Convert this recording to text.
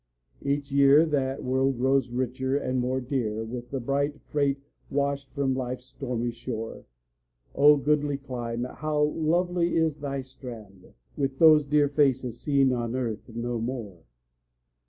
Each year that world grows richer and more dear With the bright freight washed from life's stormy shore; O goodly clime, how lovely is thy strand, With those dear faces seen on earth no more!